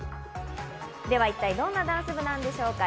では一体、どんなダンス部なんでしょうか？